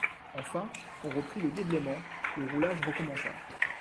Enfin, on reprit le déblaiement, le roulage recommença.